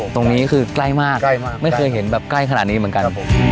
ตรงนี้คือใกล้มากไม่เคยเห็นแบบใกล้ขนาดนี้เหมือนกัน